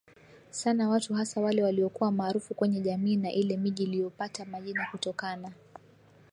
sana watu hasa wale waliokuwa maarufu kwenye jamii Na ile miji iliyopata majina kutokana